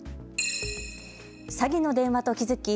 詐欺の電話と気付き